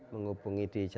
menghubungi di jasa